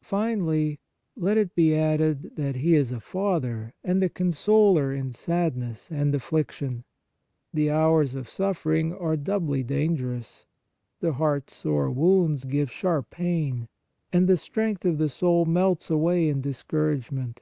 Finally, let it be added that he is a father and consoler in sadness and affliction. The hours of suffering are doubly dangerous ; the heart s sore wounds give sharp^pain, and the strength of the soul melts away in dis couragement.